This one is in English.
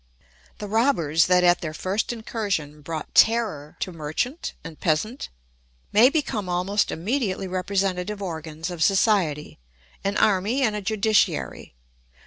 The robbers that at their first incursion brought terror to merchant and peasant may become almost immediately representative organs of society—an army and a judiciary.